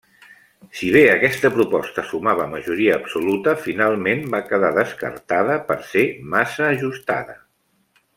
Si bé aquesta proposta sumava majoria absoluta, finalment va quedar descartada per ser massa ajustada.